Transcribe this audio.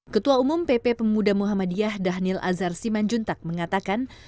ketua umum pp pemuda muhammadiyah dhanil azhar simanjuntak mengatakan